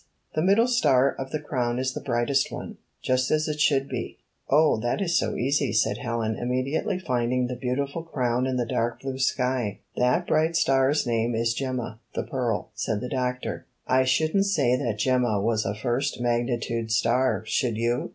The middle star of the crown is the brightest one, just as it should be." 32 I found this on. 33 "Oh! that is so easy," said Helen, immedi ately finding the beautiful crown in the dark blue sky. ''That bright star's name is Gemma, the Pearl," said the doctor. 'T shouldn't say that Gemma was a first magnitude star, should you?"